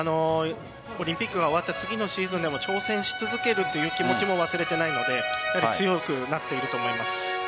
オリンピックが終わった次のシーズンでも挑戦し続けるという気持ちも忘れていないので強くなっていると思います。